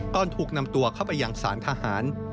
ก่อนถูกนำตัวเข้าไปยังศาลทหาร